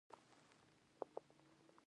د ځوان نسل با تدبیره او انقلابي رهبر پیغام